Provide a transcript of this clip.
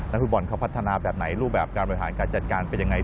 ฟุตบอลเขาพัฒนาแบบไหนรูปแบบการบริหารการจัดการเป็นยังไง